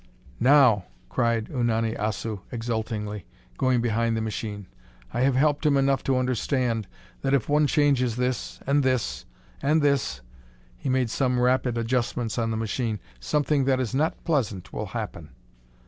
"Now!" cried Unani Assu exultingly, going behind the machine. "I have helped him enough to understand that if one changes this and this and this" he made some rapid adjustments on the machine "something that is not pleasant will happen."